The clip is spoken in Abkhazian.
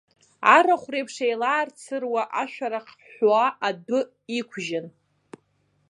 Арахә реиԥш еилаарцыруа ашәарах ҳәуа адәы иқәжьын.